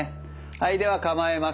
はいでは構えます。